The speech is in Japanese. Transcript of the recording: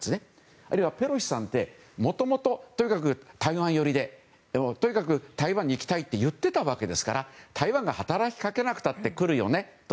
あるいは、ペロシさんってもともと台湾寄りでとにかく台湾に行きたいって言ってたわけですから台湾が働きかけなくても来るよねと。